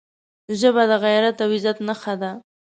ژبه د غیرت او عزت نښه ده